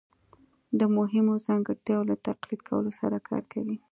د مهمو ځانګړتیاوو له تقلید کولو سره کار کوي